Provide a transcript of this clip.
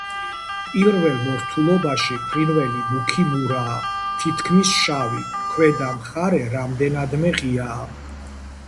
პირველ მორთულობაში ფრინველი მუქი მურაა, თითქმის შავი, ქვედა მხარე რამდენადმე ღიაა.